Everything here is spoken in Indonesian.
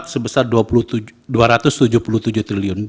sebesar rp dua ratus tujuh puluh tujuh triliun